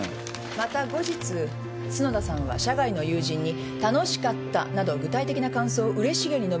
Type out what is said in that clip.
また後日角田さんは社外の友人に「楽しかった」など具体的な感想をうれしげに述べています。